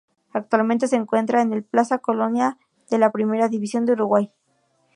Actualmente se encuentra en el Plaza Colonia de la Primera División de Uruguay.